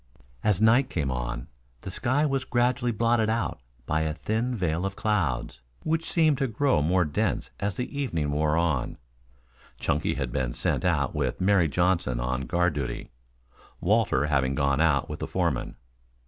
As night came on, the sky was gradually blotted out by a thin veil of clouds, which seemed to grow more dense as the evening wore on. Chunky had been sent out with Mary Johnson on guard duty, Walter having gone out with the foreman.